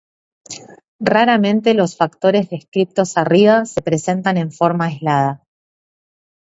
Raramente los factores descriptos arriba se presentan en forma aislada.